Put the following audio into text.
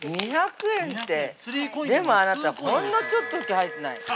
◆２００円って、でもあなた、こんなちょっとしか入ってない。